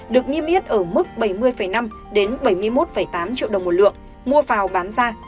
được niêm yết ở mức bảy mươi năm đến bảy mươi một tám triệu đồng một lượng mua vào bán ra